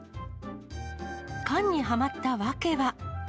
缶にはまった訳は。